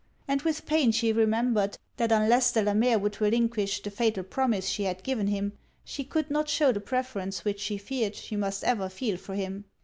And with pain she remembered, that unless Delamere would relinquish the fatal promise she had given him, she could not shew the preference which she feared she must ever feel for him.